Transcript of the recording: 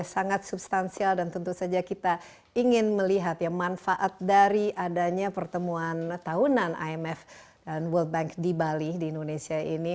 sangat substansial dan tentu saja kita ingin melihat ya manfaat dari adanya pertemuan tahunan imf dan world bank di bali di indonesia ini